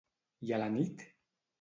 I a la nit?